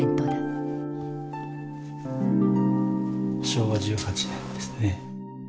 昭和１８年ですね。